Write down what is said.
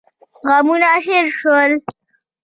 غمونه هېر شول.